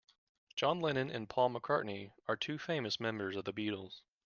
John Lennon and Paul McCartney are two famous members of the Beatles.